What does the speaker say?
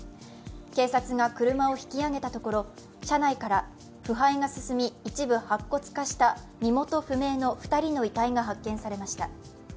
警察が車を引き上げたところ車内から腐敗が進み、一部白骨化した身元不明の２人の遺体が発見されました。